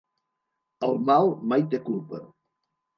El mal mai té culpa.